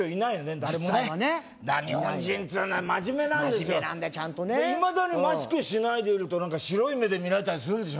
誰も日本人っつーのは真面目なんです真面目なんだよちゃんといまだにマスクしないでいると白い目で見られたりするでしょ